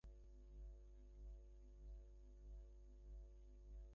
এতে মূল্য প্রতিযোগিতায় এগিয়ে থেকে কম দামে বেশি পণ্য বিক্রি করতে হবে।